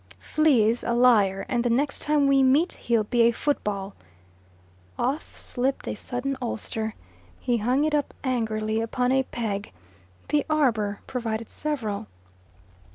"Flea's a liar, and the next time we meet he'll be a football." Off slipped a sodden ulster. He hung it up angrily upon a peg: the arbour provided several.